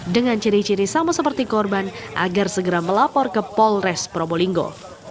dengan ciri ciri sama seperti korban agar segera melapor ke polres probolinggo